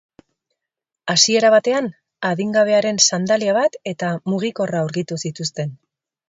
Hasiera batean, adingabearen sandalia bat eta mugikorra aurkitu zituzten.